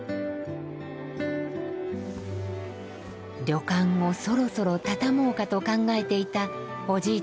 旅館をそろそろ畳もうかと考えていたおじい